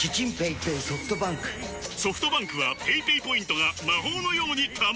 ソフトバンクはペイペイポイントが魔法のように貯まる！